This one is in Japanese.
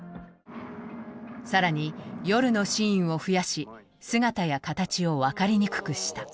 更に夜のシーンを増やし姿や形を分かりにくくした。